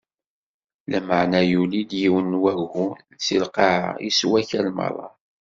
Lameɛna yuli-d yiwen n wagu si lqaɛa, issew akal meṛṛa.